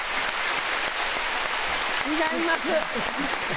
違います。